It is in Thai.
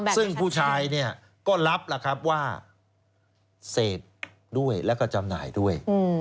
ซึ่งผู้ชายก็รับว่าเสพด้วยและก็จำนายด้วย